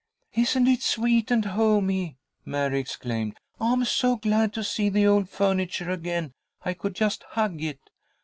"Isn't it sweet and homey!" Mary exclaimed. "I'm so glad to see the old furniture again I could just hug it!